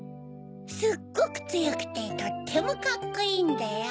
すっごくつよくてとってもカッコいいんだよ。